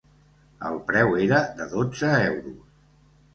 El preu era de dotze euros.